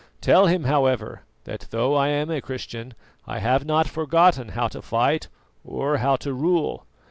Tell him, however, that though I am a Christian I have not forgotten how to fight or how to rule.